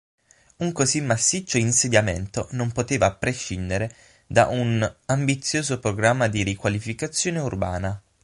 Un così massiccio insediamento non poteva prescindere da un ambizioso programma di riqualificazione urbana.